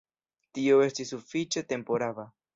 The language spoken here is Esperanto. Tio estos sufiĉe temporaba.